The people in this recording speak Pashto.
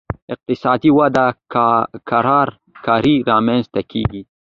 اقتصادي وده کرار کرار رامنځته کیږي